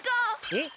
えっ！？